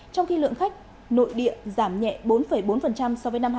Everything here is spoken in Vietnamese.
trong khi lượng khách nội địa giảm nhẹ bốn bốn so với năm hai nghìn hai mươi hai